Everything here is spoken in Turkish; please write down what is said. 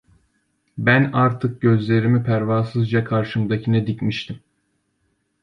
Ben artık gözlerimi pervasızca karşımdakine dikmiştim.